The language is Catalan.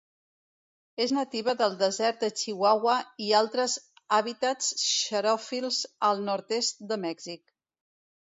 És nativa del Desert de Chihuahua i altres hàbitats xeròfils al nord-est de Mèxic.